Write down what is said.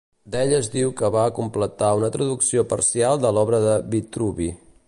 D'ell es diu que va completar una traducció parcial de l'obra de Vitruvi.